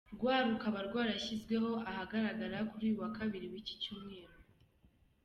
rw rukaba rwarashyizwe ahagaragara kuri uyu wa kabiri wiki cyumweru.